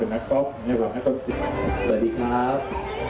เอาและครับ